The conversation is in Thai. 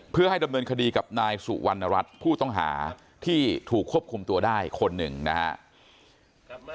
เพื่อให้ดำเนินคดีกับนายสุวรรณรัฐผู้ต้องหาที่ถูกควบคุมตัวได้คนหนึ่งนะครับ